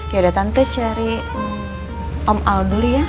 yaudah tante cari om al dulu ya